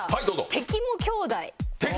敵も兄弟。